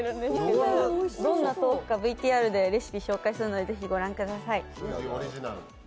どんな豆腐がＶＴＲでレシピを紹介するのでぜひ御覧ください。